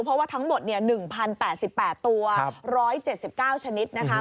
เพราะว่าทั้งหมด๑๐๘๘ตัว๑๗๙ชนิดนะคะ